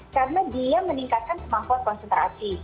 karena dia meningkatkan kemampuan konsentrasi